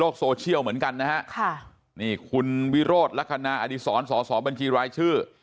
คุณวิโรธลักษณะอดีศรสสบัญชีรายชื่อ